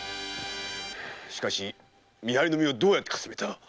しかし見張りの目をどうやってかすめた？